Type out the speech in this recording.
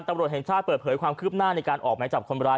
ตำรวจแห่งชาติเปิดเผยความคืบหน้าในการออกหมายจับคนร้าย